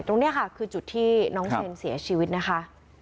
ตรงนี้ค่ะคือจุดที่น้องเชนเสียชีวิตนะคะ